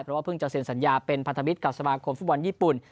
เพราะว่าเพิ่งจะเซ็นสัญญาเป็นพันธมิตรกับสมาคมฟุตบอลญี่ปุ่น